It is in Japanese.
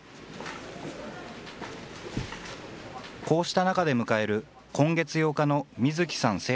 こうした中で迎える今月８日の水木さん